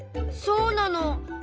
そうなの。